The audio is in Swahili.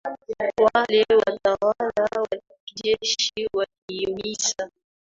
wale watawala wa kijeshi wakihimiza